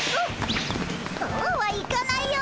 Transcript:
そうはいかないよ！